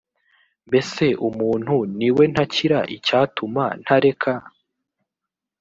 mbese umuntu ni we ntakira icyatuma ntareka